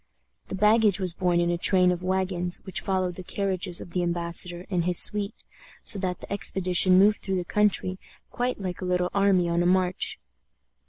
The baggage was borne in a train of wagons which followed the carriages of the embassador and his suite, so that the expedition moved through the country quite like a little army on a march.